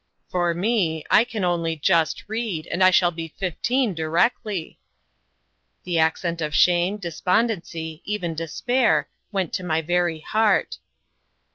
"For me I can only just read, and I shall be fifteen directly!" The accent of shame, despondency, even despair, went to my very heart.